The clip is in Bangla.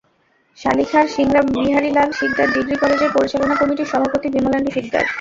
শালিখার সিংড়া বিহারী লাল শিকদার ডিগ্রি কলেজের পরিচালনা কমিটির সভাপতি বিমলেন্দু শিকদার।